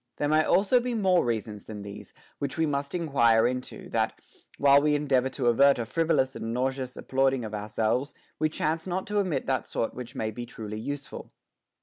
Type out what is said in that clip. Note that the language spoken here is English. There may also be more reasons than these, which we must enquire into, that, while we endeavor to avert a frivo lous and nauseous applauding of ourselves, we chance not to omit that sort which may be truly useful.